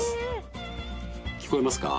聞こえますか？